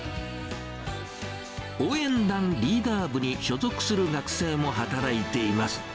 応援団リーダー部に所属する学生も働いています。